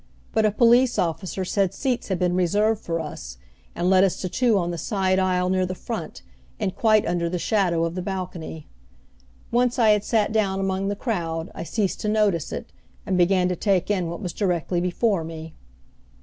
But a police officer said seats had been reserved for us, and led us to two on the side aisle near the front, and quite under the shadow of the balcony. Once I had sat down among the crowd I ceased to notice it, and began to take in what was directly before me.